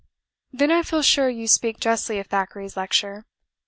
"Then I feel sure you speak justly of Thackeray's lecture.